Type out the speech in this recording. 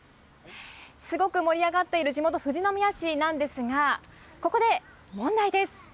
すごく盛り上がっている地元・富士宮市なんですが、ここで問題です。